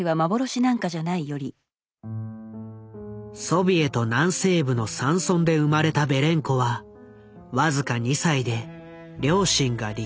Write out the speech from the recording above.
ソビエト南西部の山村で生まれたベレンコは僅か２歳で両親が離婚。